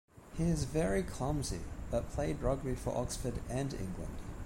He is very clumsy, but played rugby for Oxford and England.